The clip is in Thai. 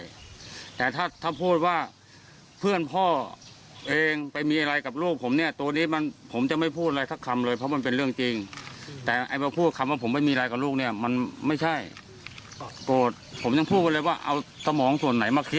ใช่แต่ถ้าถ้าพูดว่าเพื่อนพ่อเองไปมีอะไรกับลูกผมเนี่ยตัวนี้มันผมจะไม่พูดอะไรสักคำเลยเพราะมันเป็นเรื่องจริงแต่ไอ้มาพูดคำว่าผมไม่มีอะไรกับลูกเนี่ยมันไม่ใช่โกรธผมยังพูดไปเลยว่าเอาสมองส่วนไหนมาเคลียร์